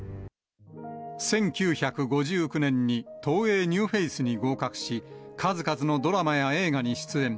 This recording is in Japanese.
１９５９年に東映ニューフェイスに合格し、数々のドラマや映画に出演。